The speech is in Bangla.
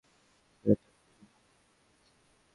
বেটা, পুরো মধু চুষে খেয়েছি।